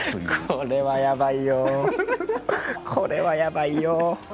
これはやばいよ。